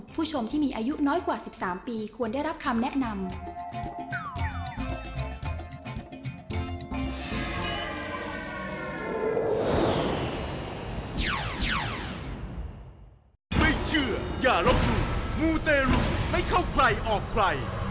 ผู้ชมที่มีอายุน้อยกว่า๑๓ปีควรได้รับคำแนะนำ